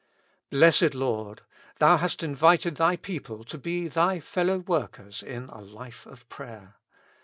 Blessed Lord ! Thou hast invited Thy people to be Thy fellow workers in a life of prayer.